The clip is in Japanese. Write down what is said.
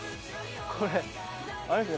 これあれですね